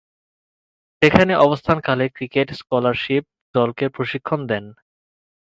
সেখানে অবস্থানকালে cricket scholarship দলকে প্রশিক্ষণ দেন।